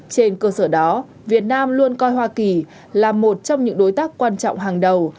trên cơ sở đó việt nam luôn coi hoa kỳ là một trong những đối tác quan trọng hàng đầu